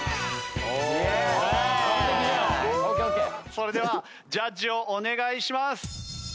それではジャッジをお願いします。